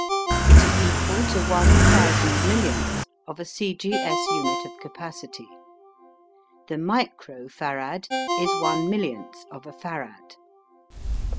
It is equal to one thousand millionth of a C. G. S. unit of capacity. The micro farad is one millionth of a Farad.